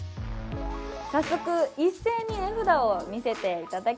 早速、一斉に絵札を見せていただきましょう。